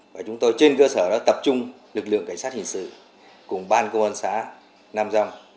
và chúng tôi trên cơ sở đó tập trung lực lượng cảnh sát hình sự cùng ban công an xã nam rong